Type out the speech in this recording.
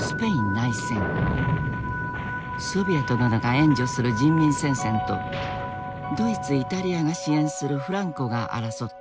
ソビエトなどが援助する人民戦線とドイツイタリアが支援するフランコが争った。